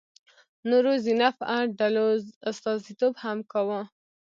نورو ذینفع ډلو استازیتوب هم کاوه.